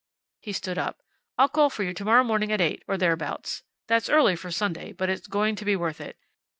He stood up. "I'll call for you tomorrow morning at eight, or thereabouts. That's early for Sunday, but it's going to be worth it."